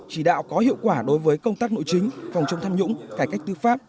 chỉ đạo có hiệu quả đối với công tác nội chính phòng chống tham nhũng cải cách tư pháp